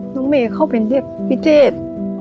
น้องเมเขาเป็นเด็กพิเศษ